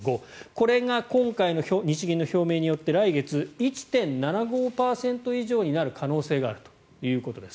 これが今回の日銀の表明によって来月、１．７５％以上になる可能性があるということです。